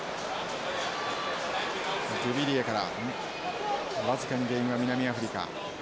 ドゥビリエから僅かにゲインは南アフリカ。